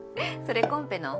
それコンペの？